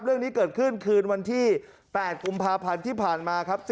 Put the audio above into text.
เรื่องนี้เกิดขึ้นคืนวันที่๘กุมภาพันธ์ที่ผ่านมาครับ